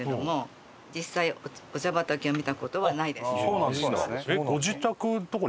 そうなんですか。